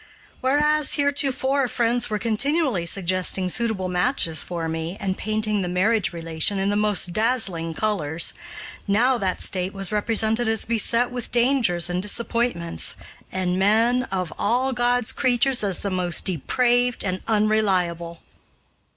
Whereas, heretofore, friends were continually suggesting suitable matches for me and painting the marriage relation in the most dazzling colors, now that state was represented as beset with dangers and disappointments, and men, of all God's creatures as the most depraved and unreliable.